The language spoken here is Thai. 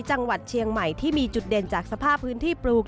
จังหวัดเชียงใหม่ที่มีจุดเด่นจากสภาพพื้นที่ปลูก